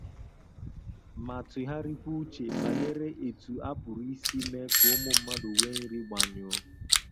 ma tụgharịkwa uchè banyere etu a pụrụ isi mee ka ụmụ mmadụ nwee nri gbaanyụụ